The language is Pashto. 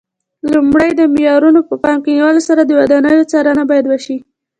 لومړی د معیارونو په پام کې نیولو سره د ودانیو څارنه باید وشي.